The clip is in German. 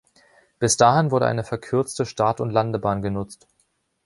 Bis dahin wurde eine verkürzte Start- und Landebahn genutzt.